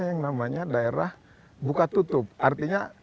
yang namanya daerah buka tutup artinya